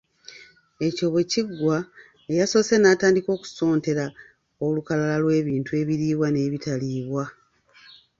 Ekyo bwe kiggwa eyasoose n’atandika okusontera olukalala lw’ebintu ebiriibwa n’ebitaliibwa